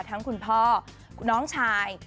คุณพ่อน้องชาย